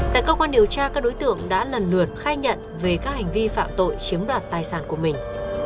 tại cơ quan điều tra các đối tượng đã lần lượt khai nhận về các hành vi phạm tội chiếm đoạt tài sản của mình